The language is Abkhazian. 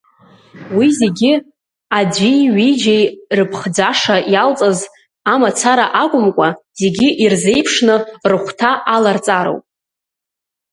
Уи зегьы аӡәи ҩыџьеи рыԥхӡаша иалҵыз амацара акәымкәа, зегьы ирзеиԥшны рыхәҭа аларҵароуп.